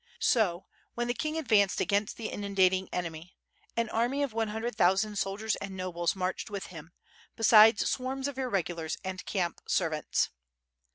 So, ^when the king advanced against the inundating enemy, an army of one hundred thousand soldiers and nobles marched with him, besides swarms of irregulars and camp servants.